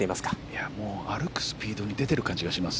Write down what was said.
いや、もう歩くスピードに出ている感じがします。